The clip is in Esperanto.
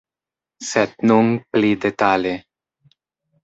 Sed nun pli detale.